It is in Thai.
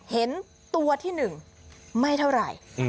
เห็นตัวที่๑ไม่เท่าไหร่